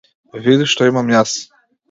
Види што имам јас.